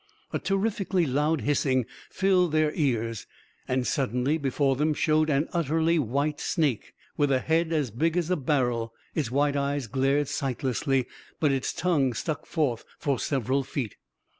A terrifically loud hissing filled their ears, and suddenly, before them, showed an utterly white snake with a head as big as a barrel. Its white eyes glared sightlessly, but its tongue stuck forth for several feet.